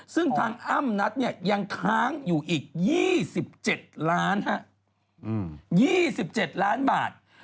ซึ่งทางอ้ำนัทยังค้างอยู่อีก๒๗๒๗ล้านบาท